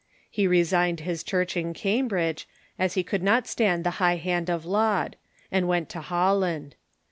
He resigned liis church in Cambridge, as he could not stand the high hand of Laud, and went to Holland.